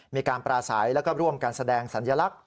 มีการปราศัยแล้วก็ร่วมกันแสดงสัญลักษณ